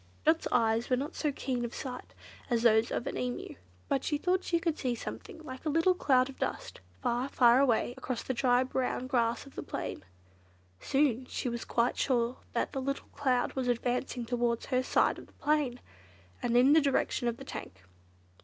Dot's eyes were not so keen of sight as those of an Emu; but she thought she could see something like a little cloud of dust, far, far away across the dry brown grass of the plain. Soon she was quite sure that the little cloud was advancing towards her side of the plain, and in the direction of the tank.